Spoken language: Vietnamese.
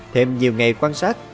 thêm nhiều ngày quan sát